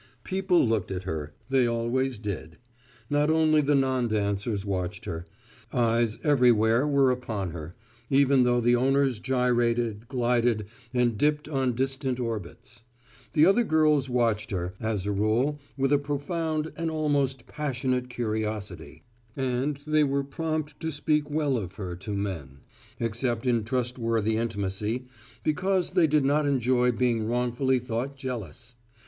People looked at her; they always did. Not only the non dancers watched her; eyes everywhere were upon her, even though the owners gyrated, glided and dipped on distant orbits. The other girls watched her, as a rule, with a profound, an almost passionate curiosity; and they were prompt to speak well of her to men, except in trustworthy intimacy, because they did not enjoy being wrongfully thought jealous.